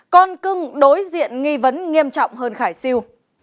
con cưng đối diện nghi vấn nghiêm trọng hơn khải siêu